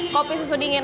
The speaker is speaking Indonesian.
kopi susu dingin